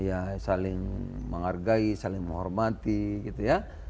ya saling menghargai saling menghormati gitu ya